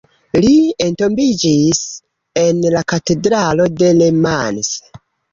Li entombiĝis en la katedralo de Le Mans.